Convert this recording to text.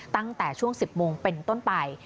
ตั้งแต่ช่วง๑๐โมงเป็นต้นไป